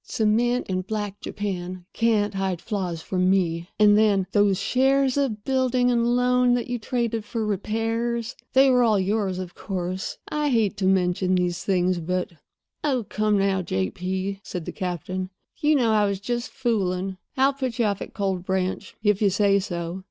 Cement and black Japan can't hide flaws from me. And then, those shares of building and loan that you traded for repairs—they were all yours, of course. I hate to mention these things, but—" "Oh, come now, J. P.," said the captain. "You know I was just fooling. I'll put you off at Cold Branch, if you say so."